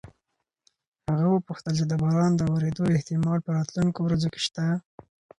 هغه وپوښتل چې د باران د ورېدو احتمال په راتلونکو ورځو کې شته؟